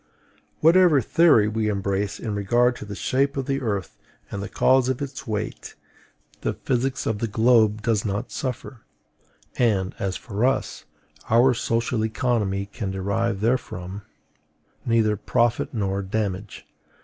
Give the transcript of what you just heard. Whatever theory we embrace in regard to the shape of the earth and the cause of its weight, the physics of the globe does not suffer; and, as for us, our social economy can derive therefrom neither profit nor damage.